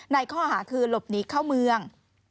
ในข้อหาคือหลบหนีเข้าเมือง